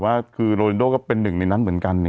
ดังนั้นโลลันโดก็เป็นหนึ่งในนั้นเหมือนกัน